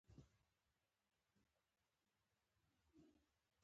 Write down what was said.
د اسماعیل شاهد خبره څوک یې تپوس کوي